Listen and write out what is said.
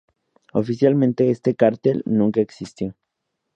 Oficialmente este cártel nunca existió.